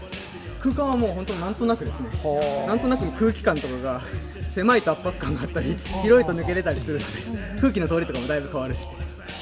空間は本当になんとなくですね、なんとなく、空気感とか、狭いと圧迫感があったり、広いと抜けてたり、空気の通りとかもだいぶ変わります。